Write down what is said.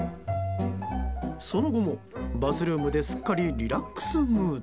その後もバスルームですっかりリラックスムード。